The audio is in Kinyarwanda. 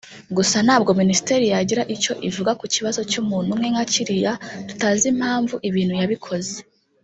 gusa ntabwo Minisiteri yagira icyo ivuga ku kibazo cy’umuntu umwe nka kiriya tutazi impamvu ibintu yabikoze